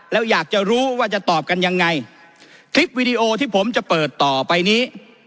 แล้วอยากจะรู้ว่าจะตอบกันยังไงคลิปวิดีโอที่ผมจะเปิดต่อไปนี้